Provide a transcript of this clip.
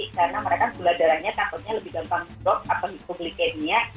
karena mereka gula darahnya takutnya lebih gampang drop atau dipublikin ya